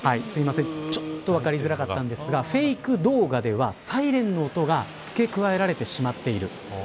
すいません、ちょっと分かりづらかったんですがフェイク動画ではサイレンの音が付け加えられてしまっている。